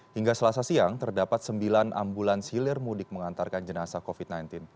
hingga selasa siang terdapat sembilan ambulans hilir mudik mengantarkan jenazah covid sembilan belas